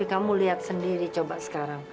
kamu lihat sendiri coba sekarang